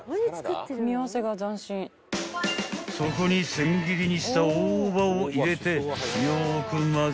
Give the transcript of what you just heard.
［そこに千切りにした大葉を入れて］